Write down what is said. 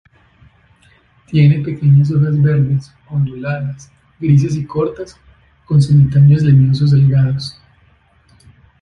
Tiene pequeñas hojas verdes, onduladas, grises y cortas con semi-tallos leñosos delgados.